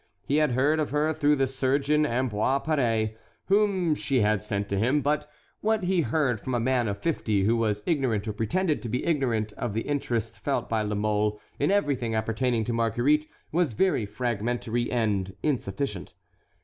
He had heard of her through the surgeon Ambroise Paré, whom she had sent to him, but what he heard from a man of fifty who was ignorant or pretended to be ignorant of the interest felt by La Mole in everything appertaining to Marguerite was very fragmentary and insufficient.